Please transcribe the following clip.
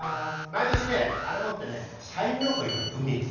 毎年ねあれ持ってね社員旅行行くの海に。